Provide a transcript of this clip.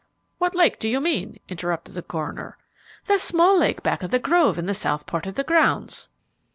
"What lake do you mean?" interrupted the coroner. "The small lake back of the grove in the south part of the grounds.